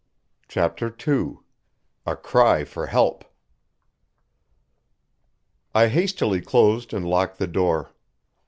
CHAPTER II A CRY FOR HELP I hastily closed and locked the door.